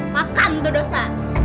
makan tuh dosa